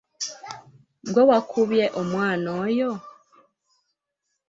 Ggwe wakubye omwana oyo?